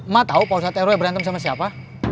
mak tahu pausa teror yang berantem sama siapa